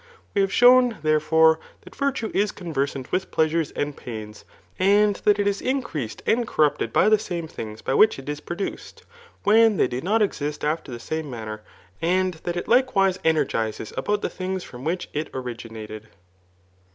We have shown, therefore, that virtue is con versant with pleasures and pains, and that it is increased and corrupted by the same things by which it is produced, when they do not exist after the same maimer ; and diat it likewise energizes about the things from which it origfaiated.